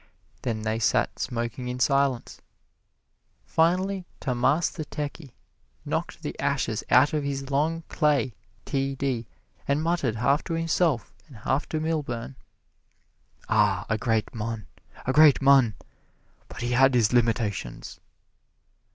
Then they sat smoking in silence. Finally, Tammas the Techy knocked the ashes out of his long clay t. d. and muttered, half to himself and half to Milburn, "Ah, a great mon, a great mon but he had his limitations!"